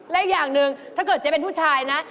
และอีกอย่างหนึ่งถ้าเกิดเจ๊เป็นผู้ชายนะ